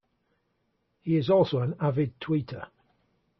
He is also an avid tweeter.